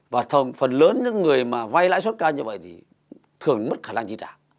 và phần lớn những người mà vay lãi suất cao như vậy thì thường mất khả năng chi trả